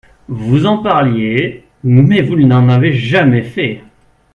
Vous en parliez, mais vous n’en avez jamais fait.